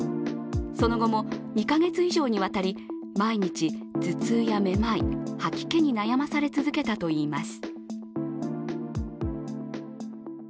その後も２か月以上にわたり、毎日、頭痛やめまい、吐き気に悩まされ続けたといいます。